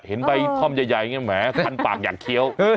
เห็นใบคล่อมใหญ่แม้คันปากอยากเคี้ยว